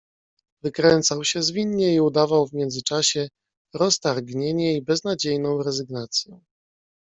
"Wykręcał się zwinnie i udawał w międzyczasie roztargnienie i beznadziejną rezygnację."